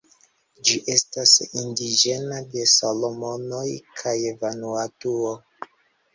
Ĝi estas indiĝena de Salomonoj kaj Vanuatuo.